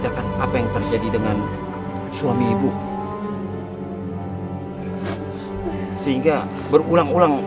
aduh apa semuanya jadi seperti ini